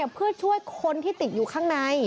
เพื่อช่วยคนที่ติดอยู่ข้างใน